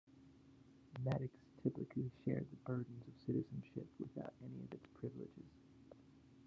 Metics typically shared the burdens of citizenship without any of its privileges.